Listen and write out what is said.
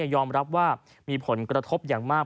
ยอมรับว่ามีผลกระทบอย่างมาก